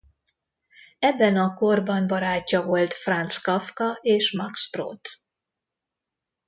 Ebben a korban barátja volt Franz Kafka és Max Brod.